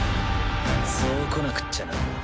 そうこなくっちゃな。